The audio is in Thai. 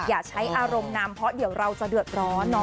อย่าใช้อารมณ์นำเพราะเดี๋ยวเราจะเดือดร้อน